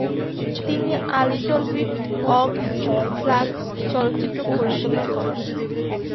তিনি a little bit of fluff চলচ্চিত্র পরিচালনা করেন।